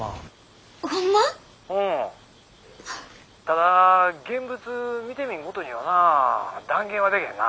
ただ現物見てみんことにはなぁ断言はでけへんな。